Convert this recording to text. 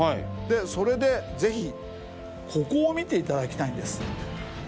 それでぜひここを見ていただきたいんです。